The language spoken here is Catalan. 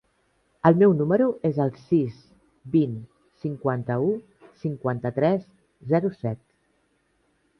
El meu número es el sis, vint, cinquanta-u, cinquanta-tres, zero, set.